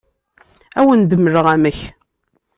Ad awen-d-mleɣ amek.